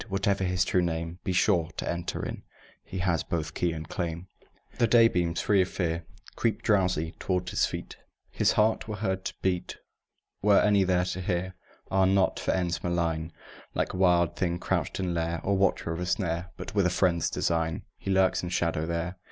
Whatever his true name, Be sure, to enter in He has both key and claim. The daybeams, free of fear, Creep drowsy toward his feet; His heart were heard to beat, Were any there to hear; Ah, not for ends malign, Like wild thing crouched in lair, Or watcher of a snare, But with a friend's design He lurks in shadow there!